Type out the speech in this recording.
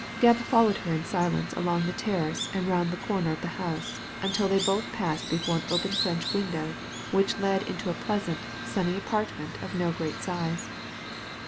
Gebb followed her in silence along the terrace and round the corner of the house, until they both paused before an open French window which led into a pleasant, sunny apartment of no great size.